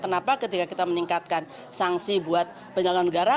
kenapa ketika kita meningkatkan sanksi buat penyelenggara negara